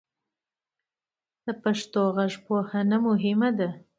د پښتو غږپوهنه مهمه ده.